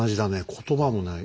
言葉もない。